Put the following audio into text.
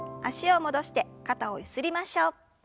脚を戻して肩をゆすりましょう。